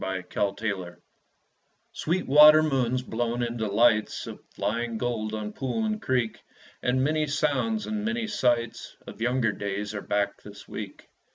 Rose Lorraine Sweet water moons, blown into lights Of flying gold on pool and creek, And many sounds and many sights Of younger days are back this week.